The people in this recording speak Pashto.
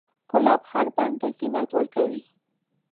ګلاب هر بڼ ته زینت ورکوي.